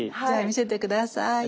じゃあ見せて下さい。